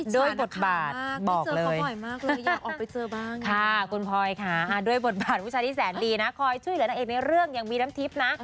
ด้วยบทบาทบอกเลยค่ะคุณพลอยค่ะด้วยบทบาทผู้ชายที่แสนดีนะคอยช่วยเหลือนักเอกในเรื่องยังมีน้ำทิพย์นะ